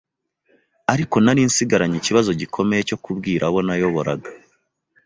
ariko nari nsigaranye ikibazo gikomeye cyo kubwira abo nayoboraga